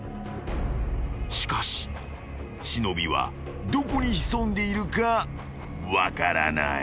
［しかし忍はどこに潜んでいるか分からない］